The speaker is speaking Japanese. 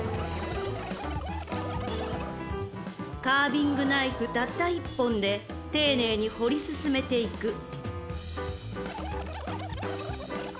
［カービングナイフたった一本で丁寧に彫り進めていく］